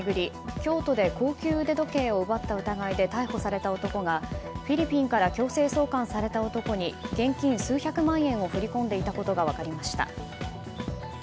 京都で高級腕時計を奪った疑いで逮捕された男がフィリピンから強制送還された男に現金数百万円を振り込んでいたことが分かりました。